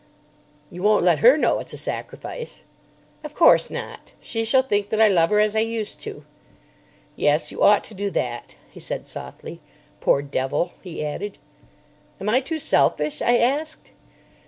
"You won't let her know it's a sacrifice?" "Of course not. She shall think that I love her as I used to." "Yes, you ought to do that," he said softly. "Poor devil," he added. "Am I too selfish?" I asked.